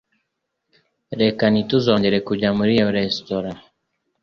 Reka ntituzongere kujya muri iyo resitora